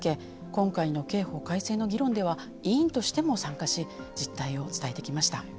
今回の刑法改正の議論では委員としても参加し実態を伝えてきました。